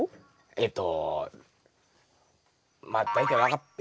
えっと。